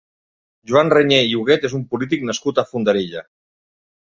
Joan Reñé i Huguet és un polític nascut a Fondarella.